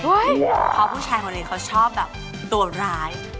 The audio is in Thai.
เพราะผู้ชายของเรนเขาชอบแบบโดรนร้าย